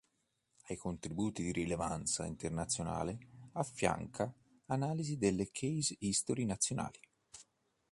A contributi di rilevanza internazionale affianca analisi delle "case history" nazionali.